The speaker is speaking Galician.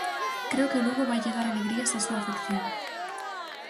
Creo que o Lugo vaille dar alegrías a súa afección.